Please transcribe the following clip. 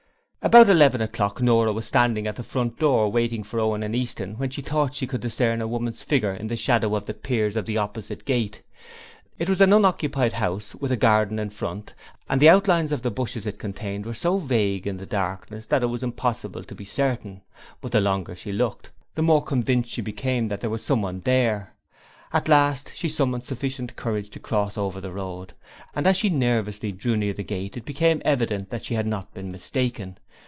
About eleven o'clock Nora was standing at the front door waiting for Owen and Easton, when she thought she could discern a woman's figure in the shadow of the piers of the gate opposite. It was an unoccupied house with a garden in front, and the outlines of the bushes it contained were so vague in the darkness that it was impossible to be certain; but the longer she looked the more convinced she became that there was someone there. At last she summoned sufficient courage to cross over the road, and as she nervously drew near the gate it became evident that she had not been mistaken.